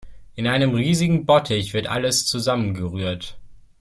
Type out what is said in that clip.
In einem riesigen Bottich wird alles zusammengerührt.